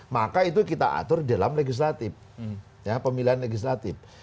maka itu kita atur di dalam legislatif pemilihan legislatif